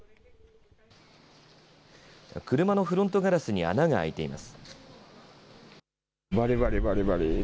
車のフロントガラスに穴が開いています。